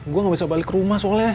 saya tidak bisa kembali ke rumah